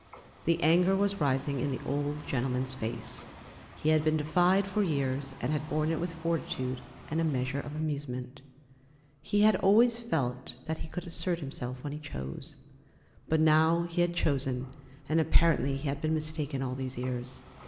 The anger was rising in the old gentleman's face. He had been defied for years and had borne it with fortitude and a measure of amusement. He had always felt that he could assert himself when he chose. But now he had chosen, and apparently he had been mistaken all these years.